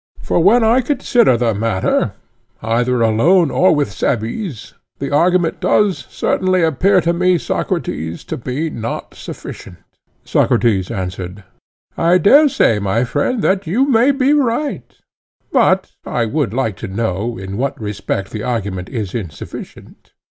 For when I consider the matter, either alone or with Cebes, the argument does certainly appear to me, Socrates, to be not sufficient. Socrates answered: I dare say, my friend, that you may be right, but I should like to know in what respect the argument is insufficient.